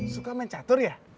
suka main catur ya